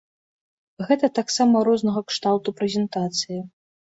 Гэта таксама рознага кшталту прэзентацыі.